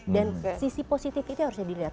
dan sisi positif itu harusnya dilihat